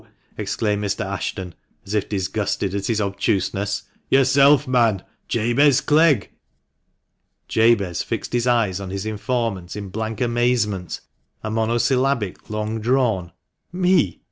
" exclaimed Mr. Ashton, as if disgusted at his obtuseness. " Yourself, man — Jabez Clegg." Jabez fixed his eyes on his informant in blank amazement, a monosyllabic long drawn " Me